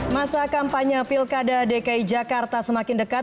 masa kampanye pilkada dki jakarta semakin dekat